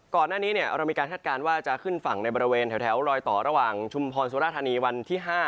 ก่อนหน้านี้เรามีการคาดการณ์ว่าจะขึ้นฝั่งในบริเวณแถวลอยต่อระหว่างชุมพรสุราธานีวันที่๕